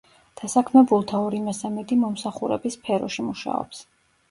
დასაქმებულთა ორი მესამედი მომსახურების სფეროში მუშაობს.